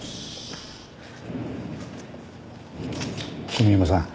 小宮山さん。